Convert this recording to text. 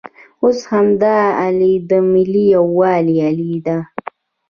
اوس همدا الې د ملي یووالي الې ده.